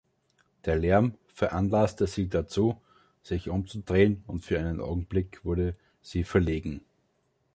Der Lärm veranlasste sie dazu, sich umzudrehen, und für einen Augenblick wurde sie verlegen.